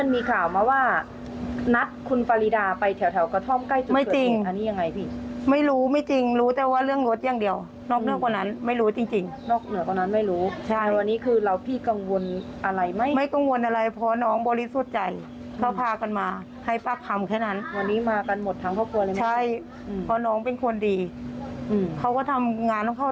ไม่ได้มีเรื่องยาเรื่องดูดปุรีกินเล่าอะไรไม่มีทั้งนั้น